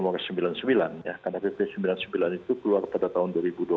karena pp sembilan puluh sembilan itu keluar pada tahun dua ribu dua belas